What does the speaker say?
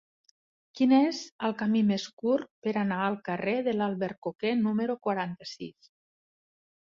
Quin és el camí més curt per anar al carrer de l'Albercoquer número quaranta-sis?